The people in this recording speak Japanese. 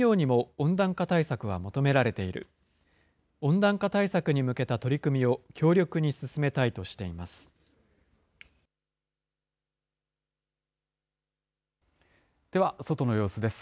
温暖化対策に向けた取り組みを強力に進めたいとしています。